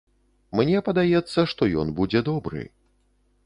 Мне падаецца, што ён будзе добры.